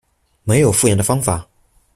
没有复原的方法